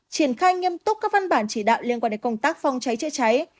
triển khai nghiêm túc các văn bản chỉ đạo liên quan đến công tác phòng cháy chữa cháy